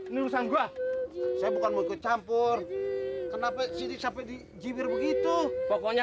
ini urusan gua saya bukan mau ke campur kenapa sampai di jibir begitu pokoknya